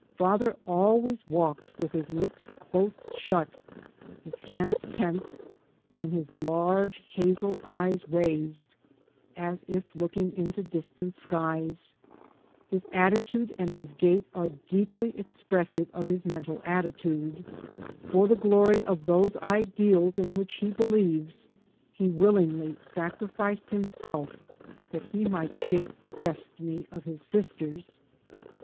Father always walks with his lips close shut, his hands tense, and his large hazel eyes raised, as if looking into distant skies. His attitude and his gait are deeply expressive of [843 3 by Google MY MOTHER AND I his mental attitude. For the glory of those ideals in which he believes he willingly sacri ficed himself that he might shape the destiny of his sisters.